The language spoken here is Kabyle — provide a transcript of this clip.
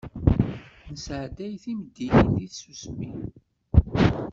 Nesɛedday timeddiyin di tsusmi.